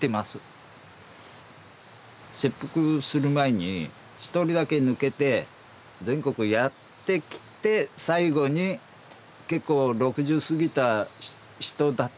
切腹する前に１人だけ抜けて全国やってきて最後に結構６０すぎた人だったらしいんですよ。